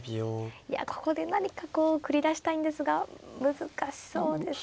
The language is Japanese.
いやここで何かこう繰り出したいんですが難しそうですね。